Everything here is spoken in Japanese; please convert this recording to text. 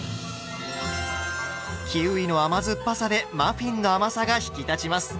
キウイの甘酸っぱさでマフィンの甘さが引き立ちます。